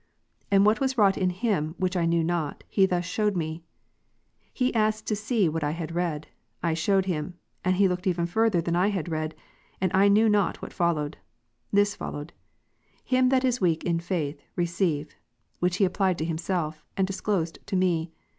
And what was wrought in him, which I knew not, he thus shewed me. He asked to see what I had read : I shewed him ; and he looked even further than I had Rom. read, and I knew not what followed. This followed, ^im that '■ is iveak in the faith, receive; which he applied to himself, and disclosed to me.